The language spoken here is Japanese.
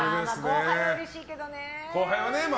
後輩はうれしいけどね。